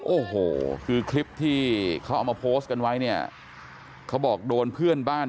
โอ้โหคือคลิปที่เขาเอามาโพสต์กันไว้เนี่ยเขาบอกโดนเพื่อนบ้าน